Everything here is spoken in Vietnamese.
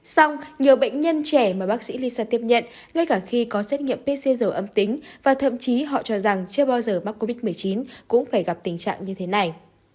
xong nhiều bệnh nhân trẻ mà bác sĩ lisa tiếp nhận ngay cả khi có xét nghiệm pcr âm tính và thậm chí họ cho rằng chưa bao giờ mắc covid một mươi chín cũng phải gặp tình trạng như thế này